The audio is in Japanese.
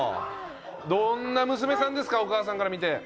どんな娘さんですかお母さんから見て。